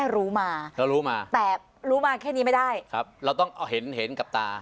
เราต้องเห็นกับตา